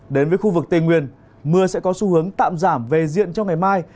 đến với khu vực tây nguyên mưa sẽ có xu hướng tạm giảm về diện cho ngày mai